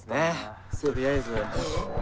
とりあえず。